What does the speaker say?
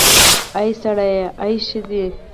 اې سړیه, آ ښځې